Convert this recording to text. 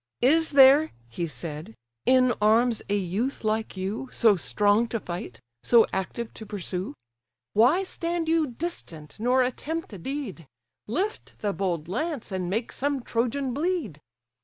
"Is there (he said) in arms a youth like you, So strong to fight, so active to pursue? Why stand you distant, nor attempt a deed? Lift the bold lance, and make some Trojan bleed."